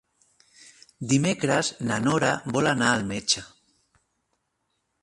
Dimecres na Nora vol anar al metge.